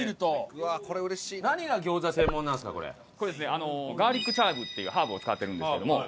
あのガーリックチャイブというハーブを使ってるんですけども。